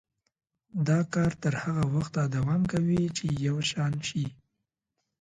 دا کار تر هغه وخته دوام کوي چې یو شان شي.